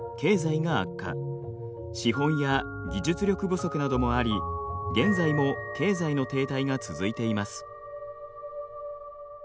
資本や技術力不足などもあり現在も経済の停滞が続いています。